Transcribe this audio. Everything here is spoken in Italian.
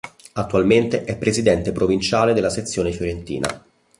Attualmente è presidente provinciale della sezione fiorentina.